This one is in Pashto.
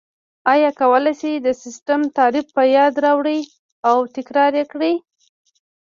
ایا کولای شئ د سیسټم تعریف په یاد راوړئ او تکرار یې کړئ؟